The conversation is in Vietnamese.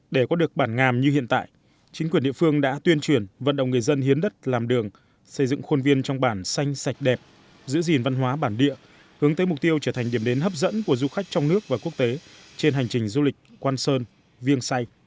để có được bản ngàm như hiện tại chính quyền địa phương đã tuyên truyền vận động người dân hiến đất làm đường xây dựng khuôn viên trong bản xanh sạch đẹp giữ gìn văn hóa bản địa hướng tới mục tiêu trở thành điểm đến hấp dẫn của du khách trong nước và quốc tế trên hành trình du lịch quan sơn viêng say